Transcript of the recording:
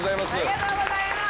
ありがとうございます。